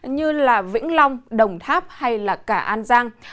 như vĩnh long đồng tháp hay là cả an giang